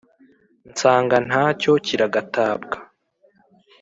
Nsanga ntacyo kiragatabwa.